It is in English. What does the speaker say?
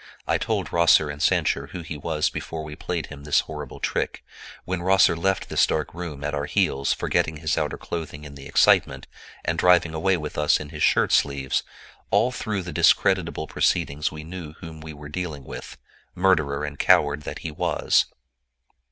I told Rosser and Sancher who he was before we played him this horrible trick. When Rosser left this dark room at our heels, forgetting his outer clothing in the excitement, and driving away with us in his shirt sleeves—all through the discreditable proceedings we knew with whom we were dealing, murderer and coward that he was!"